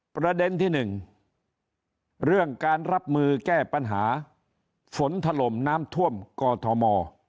ประเด็นที่๑เรื่องการรับมือแก้ปัญหาฝนถล่มน้ำท่วมกอทม